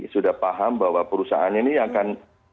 sudah paham bahwa perusahaan ini akan